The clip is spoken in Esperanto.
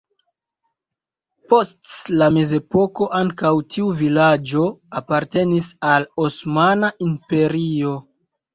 Post la mezepoko ankaŭ tiu vilaĝo apartenis al la Osmana Imperio.